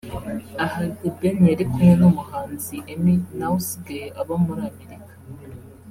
Aha The Ben yari kumwe n'umuhanzi Emmy nawe usigaye aba muri Amerika